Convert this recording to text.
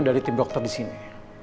dari tim dokter di sini